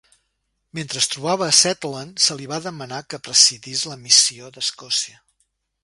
Mentre es trobava a Shetland, se li va demanar que presidís la Missió d'Escòcia.